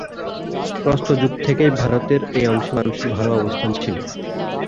প্রস্তর যুগ থেকেই ভারতের এই অংশে মানুষের ভালো অবস্থান ছিলো।